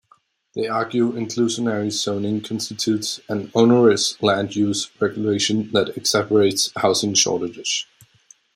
They argue inclusionary zoning constitutes an onerous land use regulation that exacerbates housing shortages.